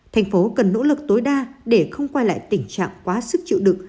tp hcm cần nỗ lực tối đa để không quay lại tình trạng quá sức chịu đựng